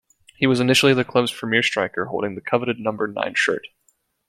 He was initially the club's premier striker, holding the coveted number nine shirt.